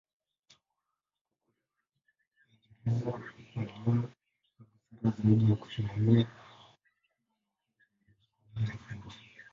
Wakoloni Waingereza waliona ni busara zaidi ya kusimamia kubwa makundi ya kikabila tofauti.